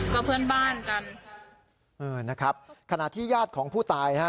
ก็เพื่อนบ้านกันเออนะครับขณะที่ญาติของผู้ตายนะฮะ